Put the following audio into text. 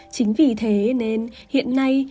chính vì thế nên hiện nay